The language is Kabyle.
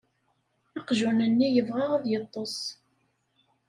Aqjun-nni yebɣa ad yeṭṭes.